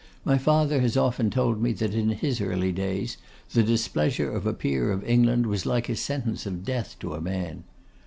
My father has often told me that in his early days the displeasure of a peer of England was like a sentence of death to a man.